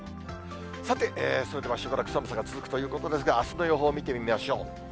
さて、それではしばらく寒さが続くということですが、あすの予報を見てみましょう。